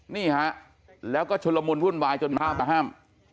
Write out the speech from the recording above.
นี่ฮะแล้วก็ชุลมุนวุ่นวายจนมาห้าม